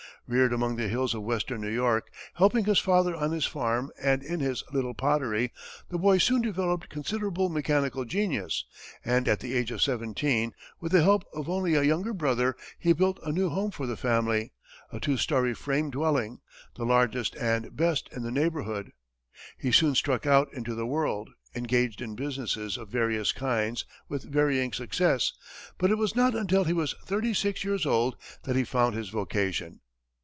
Reared among the hills of western New York, helping his father on his farm and in his little pottery, the boy soon developed considerable mechanical genius, and at the age of seventeen, with the help of only a younger brother, he built a new home for the family, a two story frame dwelling, the largest and best in the neighborhood. He soon struck out into the world, engaged in businesses of various kinds with varying success, but it was not until he was thirty six years old that he found his vocation.